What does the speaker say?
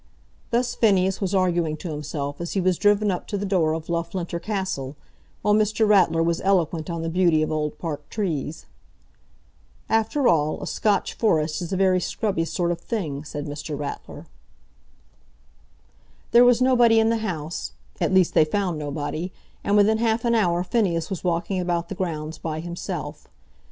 Thus Phineas was arguing to himself as he was driven up to the door of Loughlinter Castle, while Mr. Ratler was eloquent on the beauty of old park trees. "After all, a Scotch forest is a very scrubby sort of thing," said Mr. Ratler. There was nobody in the house, at least, they found nobody; and within half an hour Phineas was walking about the grounds by himself.